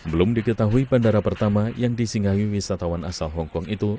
belum diketahui bandara pertama yang disinggahi wisatawan asal hongkong itu